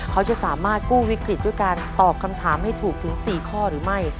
เขาจะสามารถกู้วิกฤตด้วยการตอบคำถามให้ถูกถึง๔ข้อหรือไม่